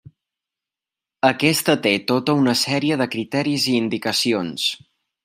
Aquesta té tota una sèrie de criteris i indicacions.